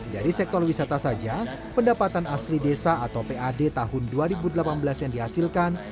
dari sektor wisata saja pendapatan asli desa atau pad tahun dua ribu delapan belas yang dihasilkan